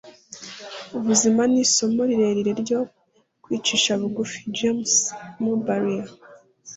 ubuzima ni isomo rirerire ryo kwicisha bugufi. - james m. barrie